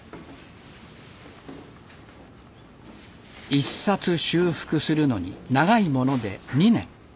１冊修復するのに長いもので２年。